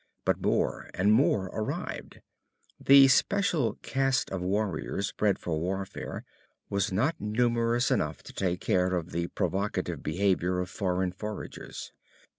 But more and more arrived. The special caste of warriors bred for warfare was not numerous enough to take care of the provocative behavior of foreign foragers.